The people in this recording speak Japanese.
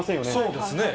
そうですね。